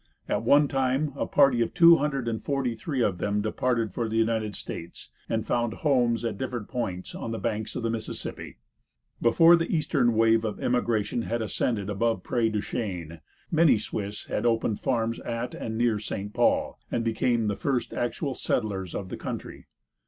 At one time a party of two hundred and forty three of them departed for the United States, and found homes at different points on the banks of the Mississippi. Before the eastern wave of immigration had ascended above Prairie du Chien, many Swiss had opened farms at and near St. Paul, and became the first actual settlers of the country.